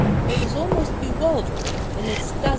It is almost bewildering in its dazi.'